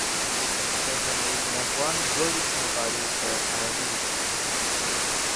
سید جمال الدین افغان دوه ویشت مقالي په عربي ژبه لیکلي دي.